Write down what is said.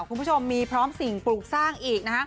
คุณผู้ชมมีพร้อมสิ่งปลูกสร้างอีกนะฮะ